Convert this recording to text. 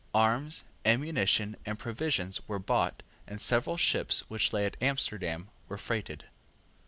Arms, ammunition, and provisions were bought, and several ships which lay at Amsterdam were freighted.